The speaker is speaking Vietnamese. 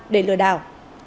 để lừa đảo